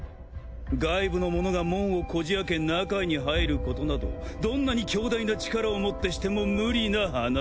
外部の者が門をこじ開け中に入ることなどどんなに強大な力をもってしても無理な話。